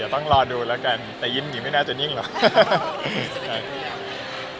ต้องรอดูแล้วกันแต่ยิ้มอย่างนี้ไม่น่าจะนิ่งหรอก